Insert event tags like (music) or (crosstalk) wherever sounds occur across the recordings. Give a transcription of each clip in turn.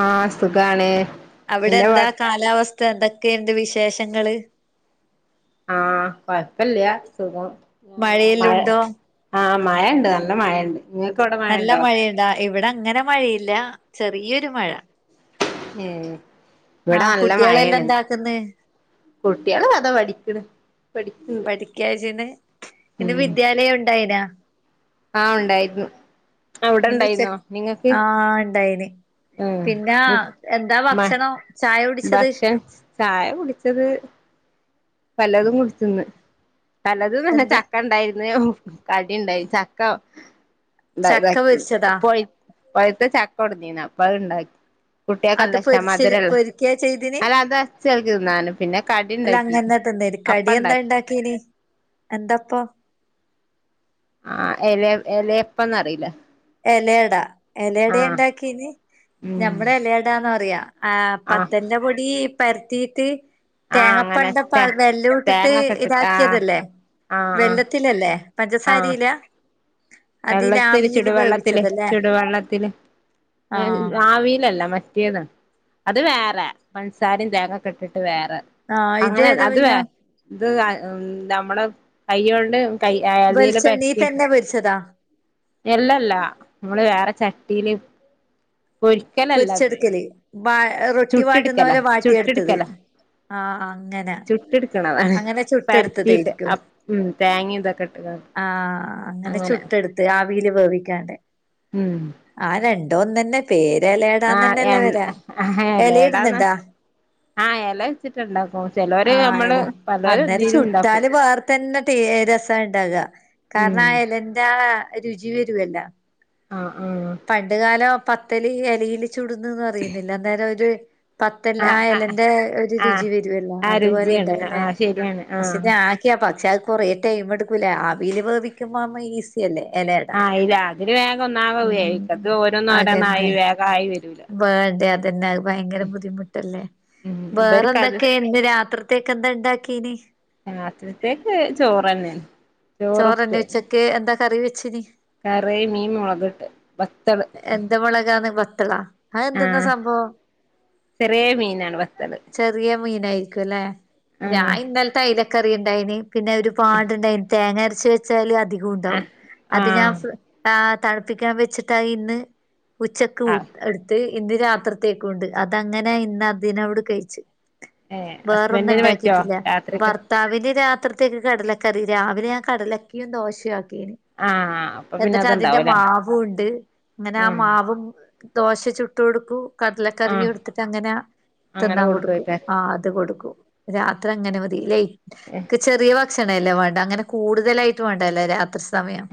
ആഹ് സുഖാണ് അവിടെ എന്താ എന്താപാട് കാലാവസ്ഥ എന്തൊക്കെയ്ണ്ട് വിശേഷങ്ങള് ആഹ് കൊഴപ്പല്ല സുഖം മഴയെല്ലു മഴ ഉണ്ടോ ആഹ് മയണ്ട് നല്ല മയണ്ട് നല്ല മഴയുണ്ടാ ഇവിടങ്ങനെ മഴയില്ല ചെറിയൊരു മഴ ഏ ആഹ് ഇവടല്ല കുട്ടികളെല്ലാം മയേണ് എന്താക്കുന്ന് കുട്ട്യാളതാ പഠിക്ണ് പഠിക്ക്യാ ചെയ്യ്ന്നെ? ഇന്ന് ഉം വിദ്യാലയം ഉണ്ടായിനാ? ആഹ് ഉണ്ടായിരുന്നു അവിടെ ഉണ്ടായിരുന്നോ ഇന്നുച്ചക്, നിങ്ങക്ക് ആഹ് ഇണ്ടായിനി. ഉം പിന്നാ, എന്താ ഭക്ഷണം? ചായ കുടിച്ചത് ഭക്ഷൺ, ചായ കുടിച്ചത് പലതും കുടിച്ച്ന്ന്. പലതുംന്നർഞ്ഞ എന്ത് ചക്കണ്ടായിര്ന്ന് കടിണ്ടായി. ചക്ക, ഉണ്ടാ ചക്ക ഇതാക്കി പൊരിച്ചതാ പൊയ് പഴ്ത്ത ചക്കൊട്ന്നീന്. അപ്പൊ അത്ണ്ടാക്ക് അത് കുട്ട്യാക്കല്ലഷ്ടാ പൊരിച്ച് മധുരള്ള. പൊരിക്കാ ചെയ്തിന് അത് അതച്ചേൽക് തിന്നാന്, പിന്നെ കടി ഇണ്ടാക്കി. അപ്പം കടിയെന്നാ ഇണ്ടാക്കി ഇണ്ടാക്കീന്? എന്തപ്പം? ആഹ് എലേ എലയപ്പംന്നറീല്ലെ? എലയട. എലയടയാ ഇണ്ടാക്കീനി? ഉം ഞമ്മള് എലയടാന്നറിയാ. ആഹ് പത്തൽന്റെ പൊടി പരത്തീറ്റ് ആഹ് അങ്ങനെ തേങ്ങപ്പണ്ടം പ ത വെല്ലൂ ഇട്ടിട്ട് തേങ്ങക്കെ ഇട്ടിട്ട് ആഹ് ഇതാക്കിയതല്ലേ? ആഹ് ആഹ് വെല്ലത്തിലല്ലേ? ആഹ് പഞ്ചസാരീല? അതിലാവീല് വെള്ളത്തില് ചെടുവള്ളത്തില്. ആഹ് ആവീലല്ല മറ്റേതാ. അത് വേറെ, പൻസാരിം തേങ്ങൊക്കെ ഇട്ടിട്ട് വേറെ. ആഹ് അങ്ങനെ ഇതേതാ അത് വേ പിന്നെ ഇത് നമ്മളെ കയ്യോണ്ട് കൈ അതീല് വെളിച്ചെണ്ണീ പരത്തീട്ട് തന്നെ പൊരിച്ചതാ? എല്ലല്ലാ. നമ്മള് വേറെ ചട്ടീല് പൊരിച്ചെടുക്കല്. വ റൊട്ടി വാട്ട്ന്ന ചുട്ടെടുക്കല പോലെ വാട്ടിയെട്ത്തത്. ചുട്ടെടുക്കല ആഹ് അങ്ങനെ. ചുട്ടെടുക്കണതാണ് അങ്ങനെ പരത്തിയിട്ട് ചുട്ടെട്ത്തതേരിക്കൂ. ഉം തേങ്ങ ഇതൊക്കെ ഇട്ട്കാണ്ട് ആഹ് അങ്ങനെ ചുട്ടെട്ത് ത്ത് ആവീല് വേവിക്കാണ്ടെ. മ്മ്. ആഹ് രണ്ടു ഒന്നെന്നെ. പേര് ആഹ് എലയടാന്നെന്നല്ലേ എണ്ണ വരാ. ആഹ് എലേടാന്ന് എലയിട്ന്ന്ണ്ടാ? ആഹ് എല വെച്ചിട്ട്ണ്ടാക്കും. ചെലോര് ആഹ് ഞമ്മള് എല അന്നേരം ചുട്ടാല് വേറ തന്നെ ടേ രസാണ്ടാകാ. കാരണം ഉം ആ എലന്റാ രുചി വരുവല്ലാ. ആഹ് ആഹ്. പണ്ട് കാലം പത്തല് എലീല് ചുട്ന്ന്ന്ന് പറീന്നില്ലെ അന്നേരം ഒര് പത്തൽന് ആ ആഹ് ആഹ് ആഹ് എലന്റെ ഒരു രുചി ആഹ് വരുവല്ലോ? ആഹ് അതുപോലെ രുചിയാണ് ഇതാവു അല്ലെ. ആഹ് ശരിയാണ് പക്ഷെ ആഹ് ഞാന് പക്ഷെ അത് കൊറേ ടൈം എടുക്കൂലെ? ആവീൽ വേവിക്കുമ്പാമ്പ ഈസിയല്ലേ എലയട? ഇതില് വേഗം ഒന്നാവാ വേവിക്കാ. ഉം ഇത് ഓരോന്നോരോന്നായി അതന്നെ വേഗായി വരു വേണ്ടേ അതന്നെ, അത് ഭയങ്കര ബുദ്ധിമുട്ടല്ലേ? ഉം വേറെ ഇബര്ക്കത് എന്തൊക്കേ? പിന്നെ രാത്രിത്തേക്ക് എന്താ ഇണ്ടാക്കീന്? രാത്രിത്തേക്ക് ചോറന്നെണ് ചോറന്നെയാ ചോറുപ്പേരി ഉച്ചക്ക്? എന്ത കറി വെച്ചിന്? കറി മീൻ മൊളകിട്ട്, വത്തള്. എന്ത് മൊളകാന്ന് വത്തളാ? അത് എന്ത്ന്നാ ആഹ് സംഭവം? ചെറിയ മീനാണ് വത്തള് ചെറിയ മീനായിരിക്കു അല്ലേ? ഞാൻ ആഹ് ഇന്നലത്തെ അയ്ല ക്കറി ഇണ്ടായിനി. പിന്നെ ഒരു പാട് ഇണ്ടായിന് തേങ്ങരച്ച് വെ ച്ചാല് അധികുണ്ടാവും. ആഹ് അത് ഞാൻ ആഹ് തണുപ്പിക്കാൻ വെച്ചിട്ടായിന്ന് ഉച്ചക്ക് ആഹ് എട്ത്ത്. ഇന്ന് രാത്രിത്തേക്കു ഉണ്ട്. അതങ്ങനെ ഇന്ന് അതിനോവിട് കഴിച്ച്. ഏഹ് വേറൊന്നു ഹസ്ബൻഡിന് പറ്റോ ഇണ്ടാക്കീട്ടില്ല. രാത്രിക്ക് വർ ത്താവിന് രാത്രിത്തേക്ക് കടലക്കറി. രാവിലെ ഞാൻ കടലക്കിയും ദോശയു ആക്കീന്. ആഹ് അപ്പൊ പിന്നെ എന്നിട്ട് അതിന്റെ അത്ണ്ടാവുംല്ലേ മാവു ഇണ്ട്. അങ്ങനെ ആ ആഹ് മാവും ദോശ ചുട്ട് കൊടുക്കൂ കടലക്കറിയു ആഹ് എട്ത്തിട്ടങ്ങന അങ്ങനെ തിന്നാൻ കൊടുക്കും. കൊടുക്കുവയ്ക്കാരം ആഹ് അത് കൊടുക്കും. രാത്രി അങ്ങനെ മതി. ഏഹ് ലേറ്റ്, ചെറിയ ഭക്ഷ ണല്ലേ വേണ്ടെ? അങ്ങനെ കൂടുതലായിട്ട് വേണ്ടാലോ രാത്രി സമയം.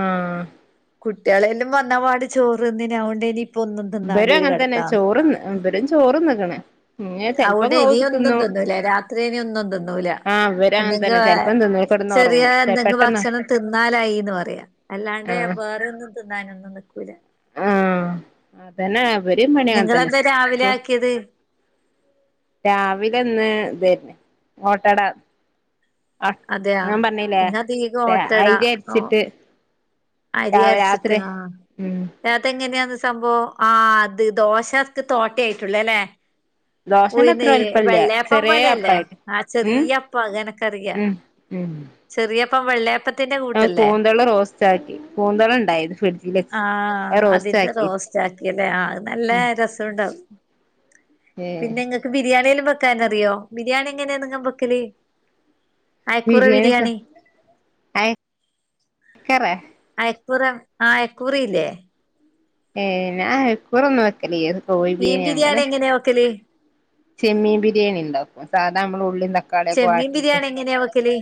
ആഹ്. കുട്ടികളെല്ലാം വന്നപാടെ ചോറ്തിന്നിനി അതോണ്ടേയ്നി ഇബരും അങ്ങൻതന്നെ ചോറ്ന്ന് ഇബരും ചോറ്ന്ന്ക്ക്ണ് അവ്ടെ ഇനിയൊന്നും തിന്നൂല രാത്രി ഇനി ഒന്നും തിന്നൂല ആഹ് ഇവരും അങ്ങനെ എന്തെങ്ക തന്നെ ചെലപ്പം തിന്നും കെടന്ന് ചെറിയ ഒറങ്ങും എന്തെങ്കും പെട്ടെന്ന് ഭക്ഷണം തിന്നാലായീന്ന് പറയാ അല്ലാണ്ടെ ആഹ് വേറെ ഒന്നും തിന്നാനൊന്നും നിക്കൂല അതന്നേ ഇവരിം പണി അതന്നെ നിങ്ങളെന്താ രാവിലെ ആഹ് ആക്കിയത് രാവിലെന്ന് തേര്ന്ന് ഓട്ടട ആഹ് അതെയാ ഞാൻ പറഞ്ഞീല്ലേ നിങ്ങ അധികം ഓട്ടടാ അയ്രി ഓ അര്ടിച്ചിട്ട് അരി അരച്ചിട്ട് ഉം ആഹ് അതെങ്ങനെയാന്ന് സംഭവം ആഹ് അത് ദോശക്ക് തോട്ടയായിട്ടുള്ള അല്ലേ ദോശന്റെ അത്ര ഉയ്ന്ന് വലിപ്പല്ല വെള്ളയപ്പം ചെറിയ പോലല്ലേ അപ്പായിട്ട് ആ ഉം ചെറിയപ്പം അതെനക്കറിയാ ഉം ഉം ചെറിയപ്പം വെള്ളയപ്പ ആഹ് കൂന്തള് റോസ്റ്റാക്കി കൂന്തള്ണ്ടായ്ന്ന് ഫ്രിഡ്ജില് ആഹ് അതിന്റെ അയ്റോസ്റ്റാക്കി റോസ്റ്റ് ആക്കിയല്ലേ ആ അത് നല്ല രസണ്ടാവും ഏഹ് ക്ക് ബിരിയാണിയെല്ലാം വെക്കാനറിയോ ബിരിയാണി എങ്ങനാന്ന് നിങ്ങാ ബെക്കല് ബിരിയാണി എത്താ അയ്ക്കുറെ അയക്കൂറ ആഹ് അയക്കൂറയില്ലേ ഏഹ് ഞാ അയക്കൂറൊന്നു വെക്കലില്ല കോഴിബിരിയാണി അങ്ങനെ എങ്ങനെയ വെക്കല് ചെമ്മീൻ ബിരിയാണിണ്ടാക്കും സാധാ നമ്മള് ഉള്ളീ തക്കാളിയൊക്കെ വഴട്ടീട്ട് എങ്ങനെ വെക്കല്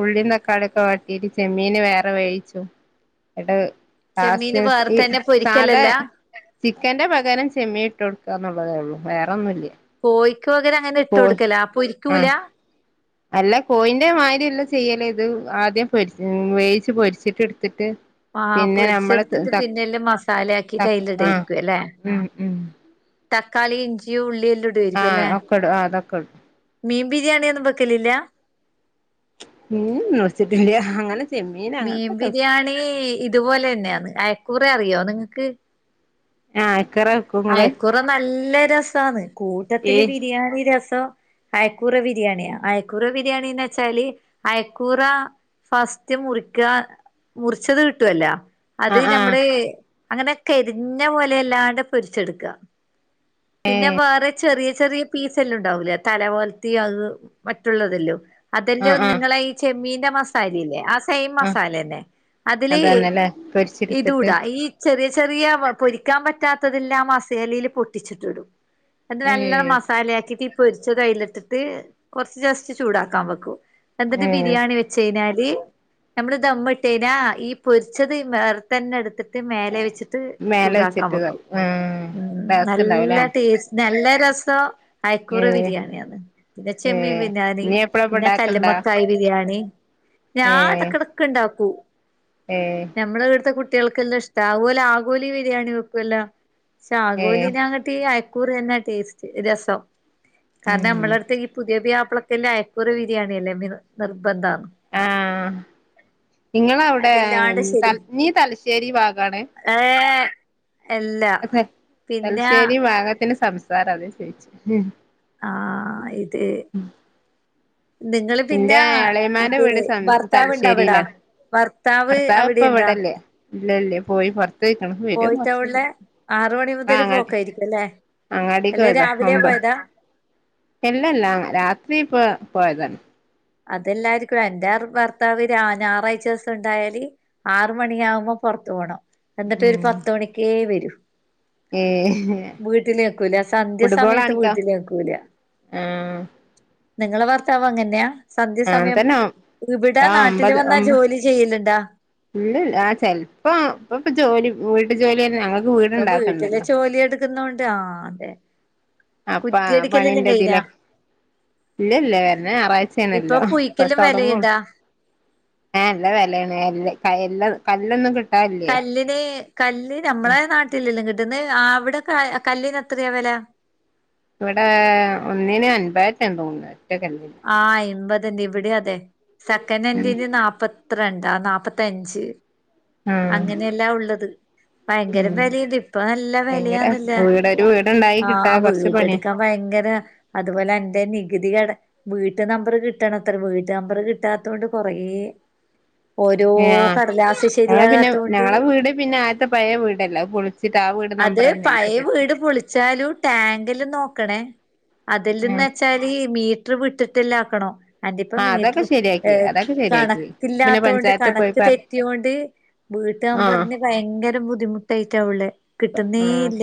ഉള്ളീം തക്കാളിയൊക്കെ വഴട്ടീട്ട് ചെമ്മീന് വേറെ വേയ്ച്ചും നട്ടത് ചെമ്മീന് (unintelligible) ഈ വേർത്തന്നെ സാധാ പൊരിക്കലല്ല ചിക്കന്റെ പകരം ചെമ്മി ഇട്ട് കൊടുക്കാന്നൊള്ളതേ ഒള്ളൂ വേറൊന്നുല്ല കോയ്ക്ക് പകരം അങ്ങനെ ഇട്ട് കോഴി കൊടുക്കലാ പൊരിക്കൂല്ല ആഹ് അല്ല കോയീന്റെ മാരി എല്ല ചെയ്യല് ഇത് ആദ്യം പൊരി വേവിച്ച് പൊരിച്ചിട്ട് എട്ത്തിട്ട് ആഹ് പൊരിച്ചെട്ത്തിട്ട് പിന്നെല്ലാം മസാലയാക്കീട്ട് ത ആഹ് അയിലിടാരിക്കുല്ലേ ഉം ഉം തക്കാളി ഇഞ്ചി ഉള്ളിയെല്ലാം ആഹ് ഇടുവാരിക്കുല്ലേ ഒക്കെ ഇടും അതൊക്കെ ഇടും മീൻ ബിരിയാണി ഒന്നും വെക്കലില്ല? മീൻ വെച്ചട്ടില്ല അങ്ങനെ. ചെമ്മീൻ മീൻ അങ്ങനത്തൊക്കെ വെക്കും ബിരിയാണി ഇതുപോലെ തന്നെയാന്ന് അയക്കൂറ അറിയോ നിങ്ങക്ക്. ആഹ് അയക്കൂറ അയക്കൂറ നല്ല രസാന്ന് ഈ കൂട്ടത്തില് ബിരിയാണി രസം. അയക്കൂറ ബിരിയാണിയാ അയക്കൂറ ബിരിയാണിന്ന് വെച്ചാല് അയക്കൂറ. ഫസ്റ്റ് മുറിക്ക മുറിച്ചത് കിട്ടുവല്ലോ അത് ആഹ് ആഹ് നമ്മള് അങ്ങനെ കരിഞ്ഞ പോലെല്ലാണ്ട് പൊരിച്ചെടുക്കുക. പിന്നെ വേറെ ചെറിയ ചെറിയ പീസല്ലാണ്ടാവൂലേ തല പോലത്തി അത്. മറ്റുള്ളതല്ലോ ആഹ് അതെല്ലാം ആഹ് നിങ്ങളെ ഈ ചെമ്മീന്റെ മസാലല്ലേ. സെയിം ആഹ് മസാല തന്നെ അതില് അതന്നെല്ലേ പൊരിച്ചെടുത്തിട്ട് ഇതൂടാ ഈ. ചെറിയ ചെറിയ പൊരിക്കാൻ പറ്റാത്തതെല്ലാം മസേലയില് പൊട്ടിച്ചിട്ടിടും എന്നിട്ട് നല്ല ഏഹ് മസാലയാക്കിട്ട് ഇ പൊരിച്ചതയിലിട്ടിട്ട് കൊറച്ച് ജസ്റ്റ് ചൂടാക്കാൻ വെക്കൂ. എന്തട്ട് ഏഹ് ബിരിയാണി വെ ച്ചയ്ഞ്ഞാല് നമ്മള് ദമ്മ്ട്ടയിഞ്ഞാ ഈ പൊരിച്ചത് വേറതന്നെ എടുത്തിട്ട്. ത് മേലെ വെച്ചിട്ട് ചൂടാക്കാൻ വെക്കും. ഉം ഉം നല്ല ടേസ്റ്റ് നല്ല രസം അയക്കൂറ ഏഹ് ബിരിയാണിയാണ്. പിന്നെ ചെമ്മീൻ ഏഹ് ബിരിയാണി നീ എപ്പഴാ ഇപ്പ പിന്നെ ഇണ്ടാക്കണ്ടാ കല്ല്മക്കായ് ബിരിയാണി. ഞാൻ ഏഹ് എടക്കടക്ക്ണ്ടാക്കൂ. ഏഹ്. നമ്മളവട്ത്തെ കുട്ട്യാൾക്കെല്ലഷ്ടാ അഹ്പോലെ ആഗോലി ബിരിയാണി വെക്കൊല്ല. ഏ ശാഗോലിനങ്ങട്ടീ അയക്കൂറ്യെന്നാ ടേസ്റ്റ് രസം. ഉം കാരണമ്മളട്ത്ത് ഈ പുതിയ ബ്യാപ്ലക്ക്ല്ലെ അയക്കൂറ ബിരിയാണിയല്ലേ മിർ നിർബന്ധന്ന്. ആഹ് നിങളവ്ടെ അതില്ലാണ്ട് ത നീ തലശ്ശേരി ഭാഗാണ്. ഏഹ് എല്ല. അതെ തൽശ്ശേരി ഭാഗത്തിന്റെ സംസാര അത പോയ്ച്ചെ ഉം. ആഹ് ഇതെ. ദിങ്ങള് എന്റെ പിന്നാ എളയമാന്റെ ഇത് വീട് സം ഭർത്താവ്ണ്ടവിടാ? തലശ്ശേരിയിലാണ് ഭർത്താവ് അവിടെയ്ണ്ടാ. ഇല്ല ല്ല്യ പോയി പൊർത്തൊയ്ക്ക്ണ് വരും കൊർച്ചൂടി ഉള്ളെ ആറ് മണി മുതല് ആങ്ങാ പോക്കായിരിക്കും അല്ലെ അല്ലെ അങ്ങാടിക്കോയതാ രാവിലെ ഒമ്പ പോയതാ എല്ലല്ലാ രാത്രീപ്പോ പോയതാണ്. അതെല്ലാര്ക്കു എന്റർ ഭർത്താവ് രാ ഞാറായ്ച വസം ണ്ടായല്. ആറ് മണിയാകുമ്പം പൊർത്ത് പോണം എന്നിട്ടൊര് ഉം പത്ത് മണിക്കേ വരൂ. ഏ വീട്ടിലേക്കുലെ സന്ധ്യ ഫുട്ബോൾ സമയത്ത് കാണിക്കാം വീട്ടിലേക്കൂല. ആ നിങ്ങള ഭർത്താവ് അങ്ങന്യാ. ആ സന്ധ്യസമയം തന്നെ ഇവിട ആ നാട്ടില് വന്നാ ജോലി ചെയ്യല്ണ്ടാ. ഇല്ലൽ ആഹ് ചെൽപ്പൊ പ്പപ്പ ജോലി വീട്ട് ജോല്യന്നെ ഞങ്ങൾ. പ്പ വീട്ട്ലെ ജോലി എടുക്ക്ന്നോണ്ട് ആഹ് അതെ. അപ്പ ആ കുറ്റ്യടിക്കലെല്ലം പണിന്റെ കയ്ഞ്ഞാ? ഇതിലൊക്കെ ഇല്ല ല്ല വര്ന നാറായ്ചേണെല്ല പ്പ കുയിക്കലും തൊട്ങ്ങൊ വെലയുണ്ടാ ഏ ല്ല വെലേണ് എല്ല് ക എല്ലം കല്ലൊന്നും കി കല്ല്ന് കല്ല് ഞമ്മളെ നാട്ടിലെല്ലും കിട്ടുന്ന് ആവിടെകെ കല്ലിനെത്രയാ വെല? വടേ ഒന്നിന് അൻപേറ്റെന്ന് തോന്നുന്ന ഒറ്റ കല്ലിന്. ആഹ് അയ്മ്പത്ണ്ട് ഇവിടി അതെ ഉം സക്കനെൻ്റിന് നാപ്പത്രണ്ടാ ന്നാപത്തഞ്ച്. ആഹ് അങ്ങനെല്ലാ ഉള്ളത്. ഭയങ്കര ഉം വെലിണ്ട് ഇപ്പ നല്ല ഭയങ്കര വെലയാന്നല്ല വീട് ഒരു വീടുണ്ടായി കിട്ടാ ആഹ് കൊറച്ച് പണിയാ വീടെടുക്കാ. ഭയങ്കര അതുപോലെന്റെ നികുതി കട. വീട്ട് നമ്പറ് കിട്ടണത്ര വീട്ട് നമ്പറ് കിട്ടാത്തോണ്ട് കൊറേ. ഉ ഓരോ കട്ലാസ് ശ്. ആ പിന്നെ ഞങ്ങള വീട് പിന്നെ ആത്തെ പയെ വീടല്ല അഹ് പൊൾച്ചിട്ട് ആ വീട് നമ്പറെന്നെ എനിക്ക്കി ഇട് പൊളിച്ചലും ടാങ്കില് നോക്കണേ അതില് ഉം ന്നെച്ച. ഈ മീട്ട്ർ വിട്ടിട്ടെല്ലാക്കണൊ അല്ലിപ്പൊ ആ മീട്ട്ർ അതൊക്കെ എ ശരിയാക്കി അതൊക്കെ ശരിയാക്കി പിന്നെ കണക്കില്ലാത്തോണ്ട് പഞ്ചായത്ത് പോയി കണക്ക് പറ തെറ്റ്യൊണ്ട്. ബീട്ട് ആ നമ്പർന് ഭയങ്കര ബുദ്ധിമുട്ടെയ്റ്റ ഉളെ കിട്ടുന്നേ ആ ഇല്ല.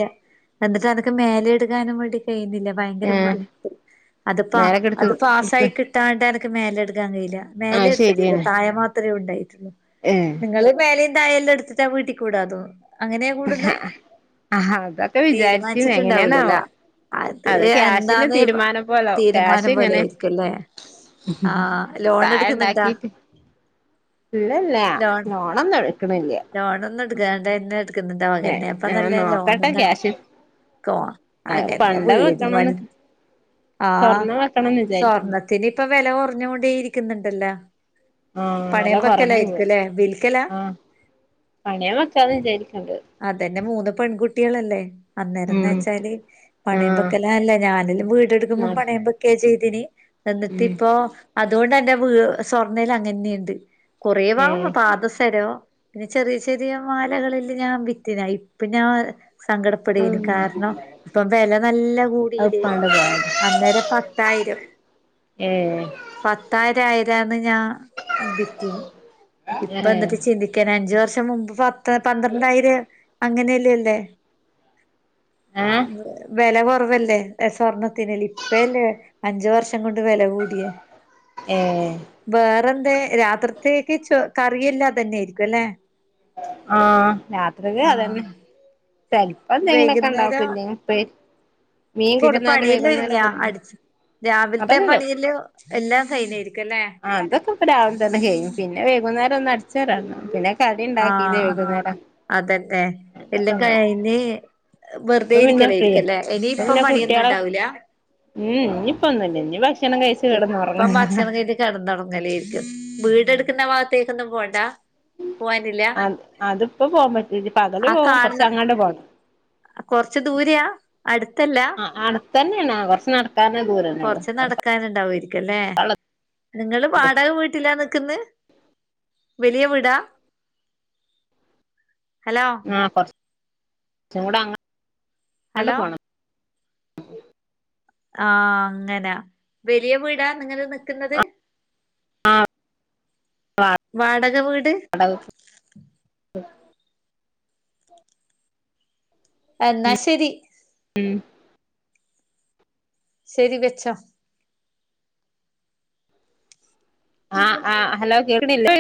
ല എന്നിട്ടനക്ക് മേലെ എടുക്കാനും വേണ്ടി കെയുന്നില്ല. ഭയങ്കര ഏ ബുദ്ധിമുട്ട് അത്പ്പ മേലൊക്കെ എടുത്ത് അത് എടുക്ക് പാസായി കി ട്ടാണ്ടെനക്ക് മേലെ ഇട്ക്കാ കയില്ല ആ മേലെ ഇട്ത്തിട്ടില്ല തായ മാത്രേ ഉണ്ടായിട്ടുള്ളൂ. ഏഹ്. നിങ്ങള് മേലേം തായെല്ലാ എടുത്തിട്ടാ വീട്ടിക്കൂടാതൊ അങ്ങനെയാ കൂട്ന്നഹ്. അഹാ അതൊക്കെ വിചാരിചിന്നെങ്ങനെണാവോ. അത് ക്യാഷിന് തീരുമാനം പോലാവു തീരുമാനം പോലെ ക്യാഷ്ങ്ങനെ. ആയിരിക്കുംല്ലേ ആഹ് ലോൺ എടുക്കുന്നുണ്ടാ തായണ്ടാക്കിട്ട് ഇല്ലല്ല നോ അന്നെഴ്ക്ക്ണില്ല്യ. ലോണൊന്നുട്കാണ്ടെന്നെ ഇട്ക്ന്ന് ണ്ട് ൻ്റ വകെന്നെ അപ്പ ആ നല്ല നോക്കട്ടെ ലോണന്നെ. ക്യാഷ് കോണ അകെന്നെ പണ്ടം വീട് വെക്കണംന്ന് വണി ആഹ് സ്വർണം വെക്കണംന്ന് വിചാരിക്കുന്നു സ്വർണ്ണ ത്തിന്പ്പ വെല കൊർ ഞ്ഞോണ്ടേയിരിക്ക്ന്ന്ണ്ടല്ല. ആ വില പണയം കുറഞ്ഞു പക്കലയ്രിക്കുലേ വിൽക്കല. പണിയ വക്കാന്ന് വിചാരിക്ണ്ട്. അതന്നെ മൂന്ന് പെൺകുട്ടിയളെല്ലേ? ഉം അന്നേരന്നെച്ചാല് പണയം ബെക്കലാ അല്ല ഞാനെല്ലും വീടെടുക്കുമ്പം ആ പണയബെ ക്കേ ചെയ്തിനി ഉം എന്ന്ട്ടിപ്പോ അതുകൊണ്ട്ന്റെ വീ സ്വർണ്ണല്ല അങ്ങനെന്നിണ്ട്.. ഏ കൊറേവാവ്. പാദസരോ പിന്നെ ചെറിയ ചെറിയ മാലകളെല്ലെ ഞാൻ വിറ്റ്ന് അയിപ്പ ഞാൻ സങ്കടപ്പെടേന് ഉം കാരണം ഇപ്പം വെല നല്ല അത് കൂടീലെ? ഉപ്പാന്റെ പോയത് അന്നേര പത്തായിരം ഏഹേ പത്തായിരം ആയിരന്ന് ഞാൻ ബിറ്റിന്ന് ഏ ഇപ്പ എന്നട്ട്. ചിന്തിക്ക കെ അഞ്ച് വർഷം മുമ്പ് പത്ത് പന്ത്രണ്ടായിരം അങ്ങനെയല്ലേല്ലേ ഏഹേ? വെല കൊറവല്ലേ സ്വർണത്തിനില്ലി ഇപ്പയല്ലേ അഞ്ച് വർഷ കൊണ്ട് വെല കൂടിയേ ഏ ബേറെന്തേ രാത്രിത്തേക്ക് ചോ കറിയല്ലാ അതന്നെയിരിക്കുലേ? ആഹാ രാത്രികക്ക് അതന്നെ ആഹ് ചെൽപ്പന്തെങ്കിലൊക്കെണ്ടാകും വൈകുന്നേരം ഇല്ലെങ്കി (unintelligible) പിന്നെ കൊടുന്നാല് വൈകുന്നേരം പണിയെല്ലൊര്ങ്ങ്യയൊ? കൊടുന്ന അടിച് രാവിൽത്തെ അതൊക്കെ കഴി പണിയിലു എല്ലാം കൈയെഞെര്ക്കല്ലേ? ആ അതൊക്കെ ഇപ്പ രാവിലെ തന്നെ കഴിയും പിന്നെ വൈകുന്നേരൊന്ന് അടിചരാന്ണ്ട് പിന്നെ കടിണ്ടാക്കിന്ന് ആഹ് വൈകുന്നേരം.. അതന്നെ അതൊക്കെ എല്ലം ഉണ്ടാവും കഴ്ഞ്ഞ് വെറ്തേ ഇപ്പൊ പിന്നെ ഫ്രീയാ യിരിക്കലോയിരിക്കുല്ലേ. എനിയിപ്പം പണിയൊന്നുണ്ടാവൂല? മ്മ്ഹ് ഇഞ്ഞിപ്പൊന്നുല്ല ഇഞ്ഞി ഭക്ഷണം കയിച് കെടന്നൊറങ്ങ കെടന്നോറങ്ങലേര്ക്കും വീട് ട്ക്കുന്ന ഭാത്തേകൊന്നും പോണ്ട? പോവാനില്ല മ്മ്ഹ് അ അത്പ്പോ പോവാം പറ്റൂല പകല് ആ പോവും കാണുന്ന കൊറച്ചങ്ങാട്ട് പോണം കൊറച്ച് ദൂരെയാ അടുത്തല്ല ആഹ് അട്ത്തന്നേണ് ആ കൊർച് നടക്കാനെ ദൂരന്നൊള്ളൂ ത്താനുണ്ടാവുയിരിക്കല്ലേ? നിങ്ങള് വാടക വീട്ടിലാ നിക്ക്ന്നെ? വെലിയ വിടാ? ഹലോ? ആ കൊറച്ച്കൂടങ്ങണ്ട് ഹലോ പോണം ആഹ അങ്ങനാ വെലിയ വീടാ നിങ്ങള് നിക്ക്ന്നത്? വാടക വീട്? എന്നാശെരി ഉം ശെരി വെച്ചൊ ആഹ് ആ് ഹലോ കേക്കണില്ലേ?